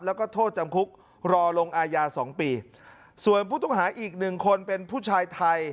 แล้วก็โทษจำคุกรอลงอายาสองปีส่วนผู้ต้องหาอีกหนึ่งคนเป็นผู้ชายไทย